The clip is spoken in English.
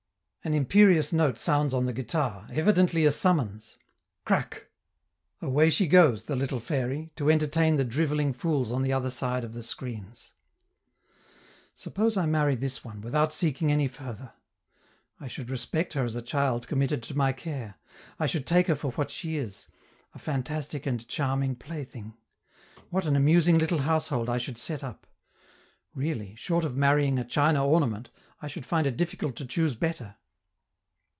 An imperious note sounds on the guitar, evidently a summons! Crac! Away she goes, the little fairy, to entertain the drivelling fools on the other side of the screens. Suppose I marry this one, without seeking any further. I should respect her as a child committed to my care; I should take her for what she is: a fantastic and charming plaything. What an amusing little household I should set up! Really, short of marrying a china ornament, I should find it difficult to choose better.